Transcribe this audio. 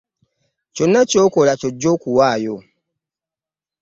Kyonna ky'okola ky'ojja okuwaayo.